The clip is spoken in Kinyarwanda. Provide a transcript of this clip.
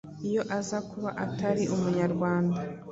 iyo aza kuba atari Umunyarwanda.